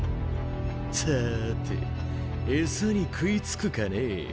さぁて餌に食い付くかねぇ。